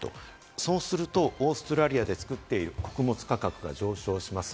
そうすると、オーストラリアで作っている穀物価格が上昇します。